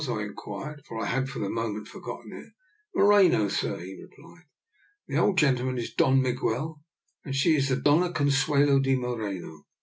" I inquired, for I had for the moment for gotten it. " Moreno, sir," he replied. " The old gentleman is Don Miguel, and she is the Dona Consuelo de Moreno."